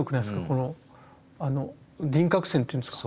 この輪郭線っていうんですか。